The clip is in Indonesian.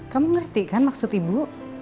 kamu ngerti kan maksud ibu